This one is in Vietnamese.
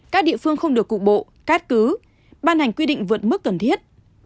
các địa phương không được cục bộ cắt cứ ban hành quy định vượt mức cần thiết